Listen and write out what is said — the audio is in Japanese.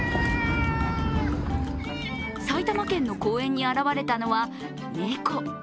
埼玉県の公園に現れたのは猫。